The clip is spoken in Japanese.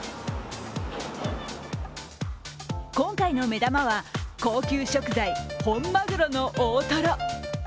今回の目玉は、高級食材、本マグロの大トロ。